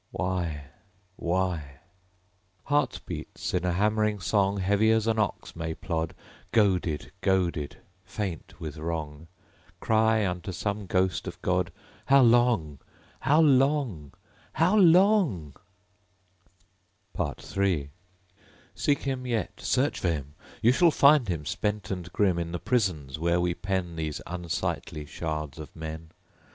... Why?... Why? Heart beats, in a hammering song, Heavy as an ox may plod, Goaded goaded faint with wrong, Cry unto some ghost of God ... How long?... How long? .......... How long? III Seek him yet. Search for him! You shall find him, spent and grim; In the prisons, where we pen These unsightly shards of men.